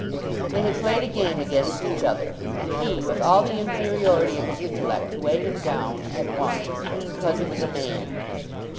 They had played a game against each other; and he, with all the inferiority of his intellect to weigh him down, had won, because he was a man.